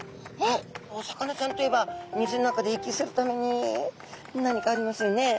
お魚ちゃんといえば水の中で息するために何かありますよね。